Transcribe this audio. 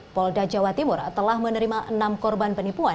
polda jawa timur telah menerima enam korban penipuan